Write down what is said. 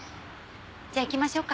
じゃあ行きましょうか。